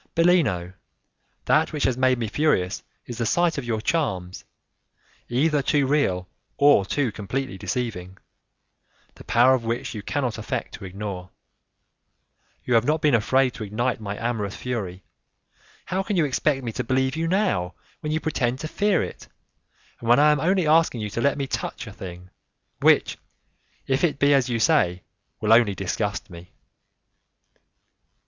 "Bellino, that which has made me furious is the sight of your charms, either too real or too completely deceiving, the power of which you cannot affect to ignore. You have not been afraid to ignite my amorous fury, how can you expect me to believe you now, when you pretend to fear it, and when I am only asking you to let me touch a thing, which, if it be as you say, will only disgust me?"